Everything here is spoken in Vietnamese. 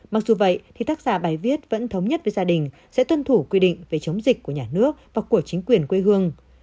mặc dù vậy thì tác giả bài viết vẫn thống nhất với gia đình sẽ tuân thủ quy định về chống dịch của nhà nước và của chính quyền quê hương